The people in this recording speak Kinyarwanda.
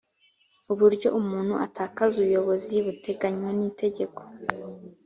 uburyo umuntu atakaza ubuyobozi buteganywa nitegeko